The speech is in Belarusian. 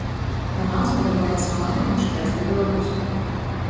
Канал спадабаецца аматарам чытаць па-беларуску.